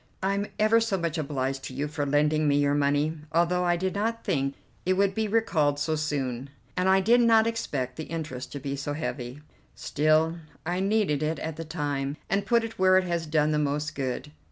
I'm ever so much obliged to you for lending me your money, although I did not think it would be recalled so soon, and I did not expect the interest to be so heavy. Still, I needed it at the time, and put it where it has done the most good.